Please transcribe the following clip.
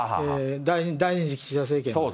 第２次岸田政権の。